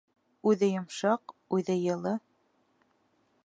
Үҙе йомшаҡ, үҙе йылы.